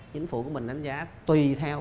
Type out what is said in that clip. chính phủ của mình đánh giá tùy theo